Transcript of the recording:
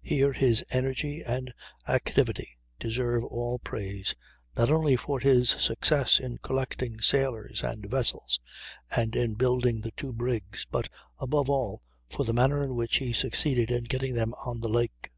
Here his energy and activity deserve all praise, not only for his success in collecting sailors and vessels and in building the two brigs, but above all for the manner in which he succeeded in getting them out on the lake.